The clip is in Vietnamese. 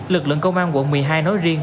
lực lượng công an quận một mươi hai nói riêng